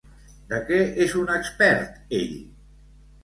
De què és un expert ell?